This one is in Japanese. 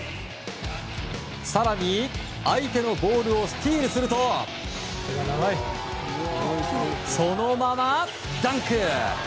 更に、相手のボールをスティールするとそのままダンク！